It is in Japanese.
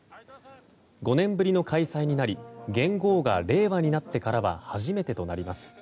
５年ぶりの開催になり元号が令和になってからは初めてとなります。